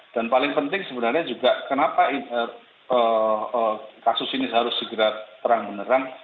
dan paling penting sebenarnya juga kenapa kasus ini segera terang beneran